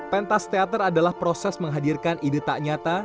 pentas teater adalah proses menghadirkan ide tak nyata